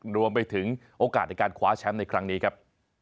รวมไปถึงโอกาสในการคว้าแชมป์ในครั้งนี้ครับ